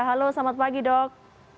halo selamat pagi dok